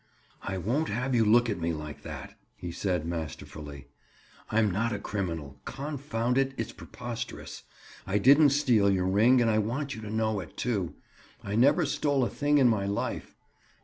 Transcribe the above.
"I won't have you look at me like that," he said masterfully. "I'm not a criminal. Confound it, it's preposterous. I didn't steal your ring and I want you to know it, too. I never stole a thing in my life."